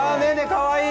かわいい！